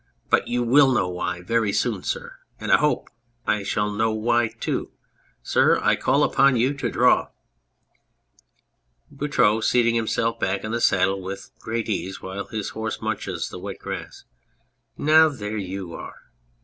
But you will know why very soon, sir ! And I hope I shall know why, too ! Sir, I call upon you to draw ! BOUTROUX (seating himself hack in the saddle with great ease while his horse munches the wet grass). Now, there you are.